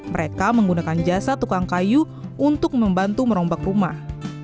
mereka menggunakan jasa tukang kayu untuk membantu merombak rumah